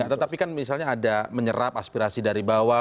tetapi kan misalnya ada menyerap aspirasi dari bawah